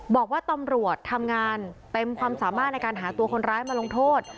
บอกว่าตำรวจทำงานเต็มความสามารถในการหาตัวคนร้ายมาลงโทษ